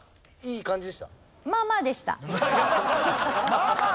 まあまあ？